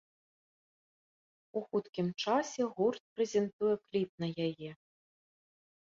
У хуткім часе гурт прэзентуе кліп на яе.